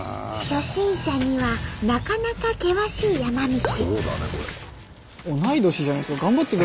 初心者にはなかなか険しい山道。